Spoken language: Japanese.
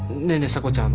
査子ちゃん